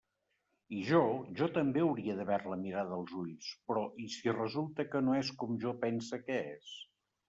I jo, jo també hauria d'haver-la mirada als ulls, però i si resulta que no és com jo pense que és?